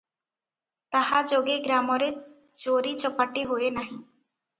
ତାହା ଯୋଗେ ଗ୍ରାମରେ ଚୋରି ଚପାଟି ହୁଏ ନାହିଁ ।